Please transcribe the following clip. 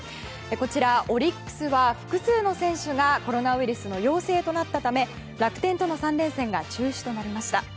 こちら、オリックスは複数の選手がコロナウイルスの陽性となったため楽天との３連戦が中止となりました。